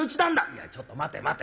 「いやちょっと待て待て待て。